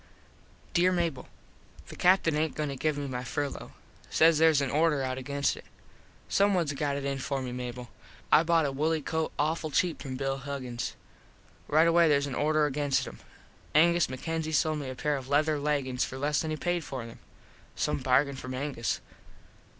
_ Dere Mable: The Captin aint goin to give me my furlo. Says theres an order out against it. Someones got it in for me, Mable. I bought a wooley coat awful cheap from Bill Huggins. Right away theres an order against em. Angus MacKenzie sold me a pair of leather leggins for less than he paid for them. Some bargain from Angus.